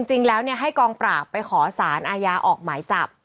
จริงแล้วให้กองปราบไปขอสารอาญาออกหมายจับ